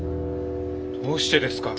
どうしてですか？